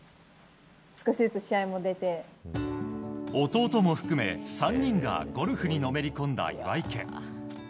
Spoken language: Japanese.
弟も含め３人がゴルフにのめり込んだ岩井家。